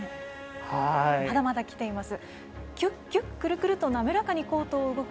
まだまだきています。